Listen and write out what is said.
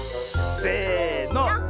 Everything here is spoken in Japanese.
せの。